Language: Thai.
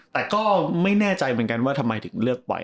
แต่ก็ไม่แน่ใจเหมือนกันว่าทำไมถึงเลือกปล่อย